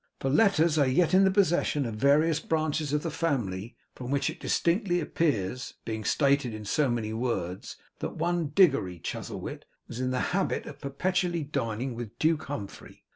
For letters are yet in the possession of various branches of the family, from which it distinctly appears, being stated in so many words, that one Diggory Chuzzlewit was in the habit of perpetually dining with Duke Humphrey.